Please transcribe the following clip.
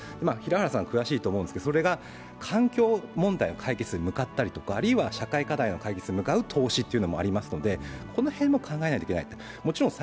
平原さん詳しいと思いますが、それが環境問題を解決することに向かったりあるいは社会課題の解決に向かう投資というのがありますのでこの辺考えないといけない。